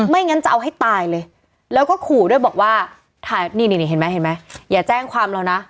งั้นจะเอาให้ตายเลยแล้วก็ขู่ด้วยบอกว่าถ่ายนี่นี่เห็นไหมเห็นไหมอย่าแจ้งความเรานะ